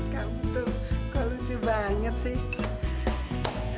kamu tuh kok lucu banget sih